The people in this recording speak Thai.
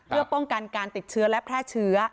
เพื่อป้องกันการติดเชื้อและแพร่เชื้อ